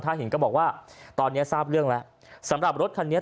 ถ้าเห็นก็บอกว่าตอนนี้ทราบเรื่องแล้วสำหรับรถคันนี้